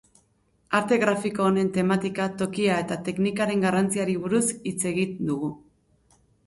Arte grafiko honen tematika, tokia eta teknikaren garrantziari buruz hitz egin dugu.